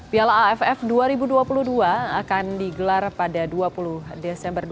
piala aff dua ribu dua puluh dua akan digelar pada dua puluh desember dua ribu dua puluh